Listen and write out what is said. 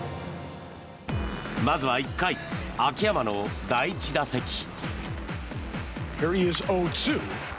まずは１回、秋山の第１打席。